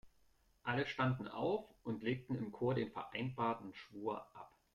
Alle standen auf und legten im Chor den vereinbarten Schwur ab.